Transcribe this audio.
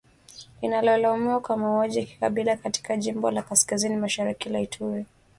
linalolaumiwa kwa mauaji ya kikabila katika jimbo la kaskazini mashariki la Ituri